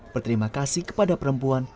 berterima kasih kepada perempuan